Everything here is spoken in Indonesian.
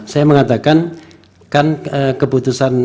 saya mengatakan kan keputusan